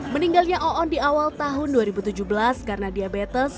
meninggalnya oon di awal tahun dua ribu tujuh belas karena diabetes